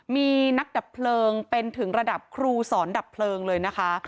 มีนักดับเพลิงเป็นถึงระดับครูสอนดับเพลิงเลยนะคะ